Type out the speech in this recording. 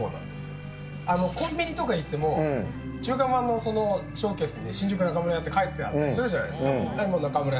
コンビニとかに行っても中華まんのショーケースって新宿中村屋って書いてあったりするじゃないですか。